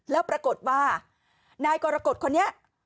แล้วปรากฏว่านายกรกฎคนนี้